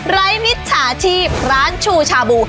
รายมิตรสาธิบร้านชูชาบู